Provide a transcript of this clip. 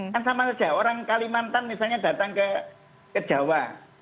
kan sama saja orang kalimantan misalnya datang ke jawa